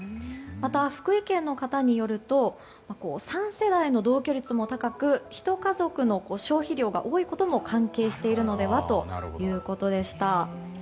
また福井県の方によると３世代の同居率も高く１家族の消費量が多いことも関係しているのではということでした。